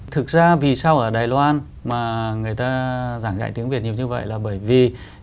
thực ra vì sao ở đài loan mà người ta giảng dạy tiếng việt nhiều như vậy là bởi vì